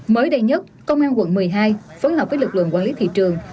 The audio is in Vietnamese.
mới đây nhất công an quận một mươi hai phối hợp với lực lượng quản lý thị trường